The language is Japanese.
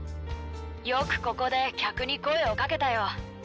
よくここで客に声をかけたよ。